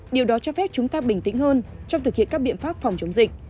điều đó cho phép chúng ta bình tĩnh hơn trong thực hiện các biện pháp phòng chống dịch